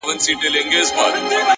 زحمت د موخو د پخېدو لمر دی.!